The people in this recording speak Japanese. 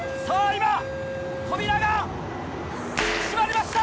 今扉が閉まりました！